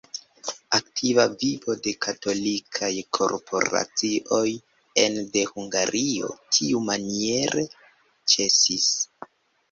Aktiva vivo de katolikaj korporacioj ene de Hungario tiumaniere ĉesis.